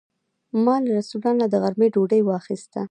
ما له رستورانت نه د غرمې ډوډۍ واخیسته.